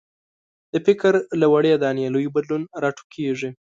د فکر له وړې دانې لوی بدلون راټوکېږي.